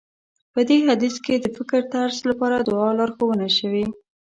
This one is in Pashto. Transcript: په دې حديث کې د فکرطرز لپاره دعا لارښوونه شوې.